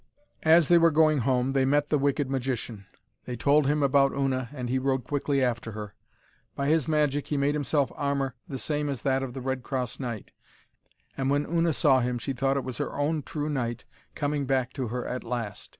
As they were going home they met the wicked magician. They told him about Una, and he rode quickly after her. By his magic he made himself armour the same as that of the Red Cross Knight, and when Una saw him she thought it was her own true knight come back to her at last.